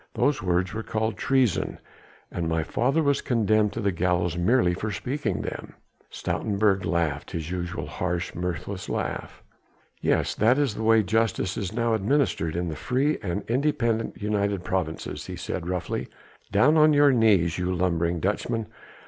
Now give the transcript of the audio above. Those words were called treason, and my father was condemned to the gallows merely for speaking them." Stoutenburg laughed, his usual harsh, mirthless laugh. "Yes! that is the way justice is now administered in the free and independent United Provinces," he said roughly; "down on your knees, ye lumbering Dutchmen!